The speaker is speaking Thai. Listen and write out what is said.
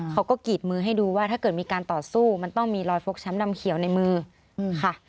กรีดมือให้ดูว่าถ้าเกิดมีการต่อสู้มันต้องมีรอยฟกช้ำดำเขียวในมือค่ะ